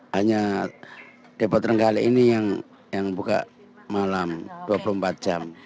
hanya depo terenggalek ini yang buka malam dua puluh empat jam